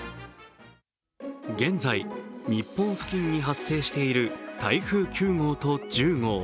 現在、日本付近に発生している台風９号と１０号。